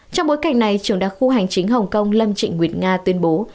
trong bối cảnh này trưởng đặc khu hành chính hồng kông lâm trịnh nguyệt nga tuyên bố